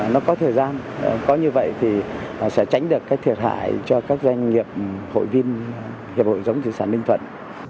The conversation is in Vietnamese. nó có thời gian có như vậy thì sẽ tránh được cái thiệt hại cho các doanh nghiệp hội viên hiệp hội giống thủy sản ninh thuận